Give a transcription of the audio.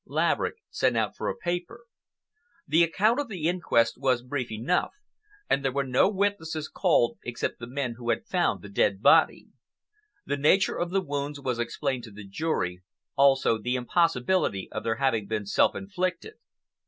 Laverick sent out for a paper. The account of the inquest was brief enough, and there were no witnesses called except the men who had found the dead body. The nature of the wounds was explained to the jury, also the impossibility of their having been self inflicted.